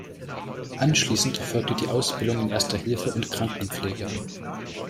Anschließend erfolgte die Ausbildung in Erster Hilfe und Krankenpflege.